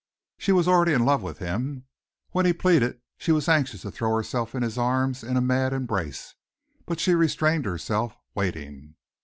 She was already in love with him. When he pleaded, she was anxious to throw herself in his arms in a mad embrace, but she restrained herself, waiting.